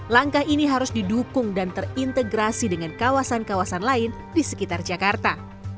langkah ini harus didukung dan terintegrasi dengan kawasan kawasan lain di sekitar jakarta